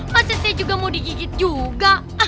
pasti saya juga mau digigit juga